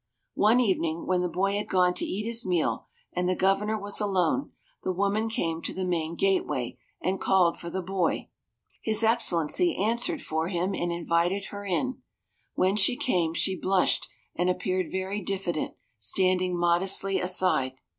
One evening, when the boy had gone to eat his meal and the Governor was alone, the woman came to the main gateway, and called for the boy. His Excellency answered for him, and invited her in. When she came, she blushed, and appeared very diffident, standing modestly aside.